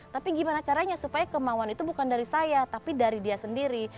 tapi gimana caranya supaya kemauan itu bukan dari saya tapi dari dia sendiri